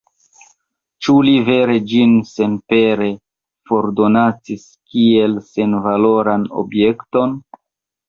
Ĉu li vere ĝin senpere fordonacis, kiel senvaloran objekton?